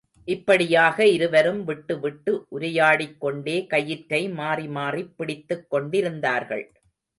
இப்படியாக இருவரும் விட்டுவிட்டு உரையாடிக்கொண்டே கயிற்றை மாறிமாறிப் பிடித்துக்கொண்டிருந்தார்கள்.